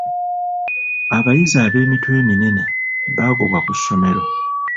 Abayizi ab'emitwe eminene bagobwa ku ssomero.